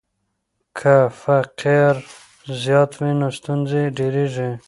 که فقر زیات وي نو ستونزې ډېریږي.